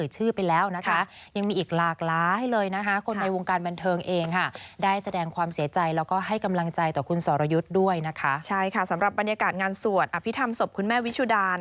สำหรับบรรยากาศงานสวดอภิษฐรรมศพคุณแม่วิชุดา